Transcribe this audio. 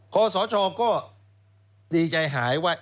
คศก็ดีใจหายว่า